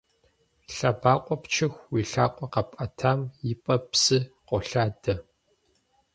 Лъэбакъуэ пчыху, уи лъакъуэ къэпӀэтам и пӀэ псы къолъадэ.